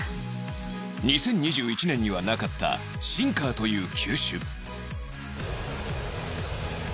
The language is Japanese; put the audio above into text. ２０２１年にはなかったシンカーという球種